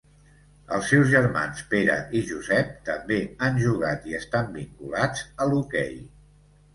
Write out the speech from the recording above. Els seus germans Pere i Josep també han jugat i estan vinculats a l'hoquei.